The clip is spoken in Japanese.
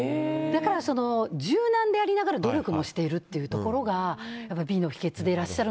だから、柔軟でありながら努力もしているというところが美の秘訣でいらっしゃる。